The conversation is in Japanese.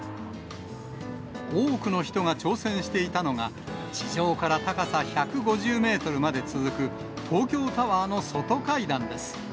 多くの人が挑戦していたのが、地上から高さ１５０メートルまで続く、東京タワーの外階段です。